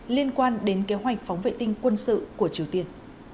liên quan đến kế hoạch phóng vệ tinh quân sự của triều tiên